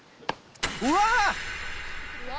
うわ！